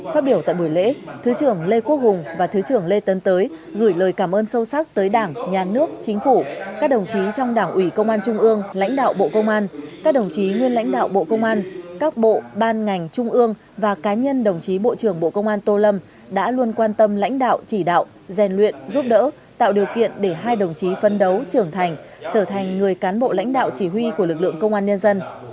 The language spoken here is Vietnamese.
phát biểu tại buổi lễ thứ trưởng lê quốc hùng và thứ trưởng lê tân tới gửi lời cảm ơn sâu sắc tới đảng nhà nước chính phủ các đồng chí trong đảng ủy công an trung ương lãnh đạo bộ công an các đồng chí nguyên lãnh đạo bộ công an các bộ ban ngành trung ương và cá nhân đồng chí bộ trưởng bộ công an tô lâm đã luôn quan tâm lãnh đạo chỉ đạo rèn luyện giúp đỡ tạo điều kiện để hai đồng chí phân đấu trưởng thành trở thành người cán bộ lãnh đạo chỉ huy của lực lượng công an nhân dân